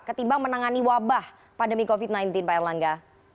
ketimbang menangani wabah pandemi covid sembilan belas pak erlangga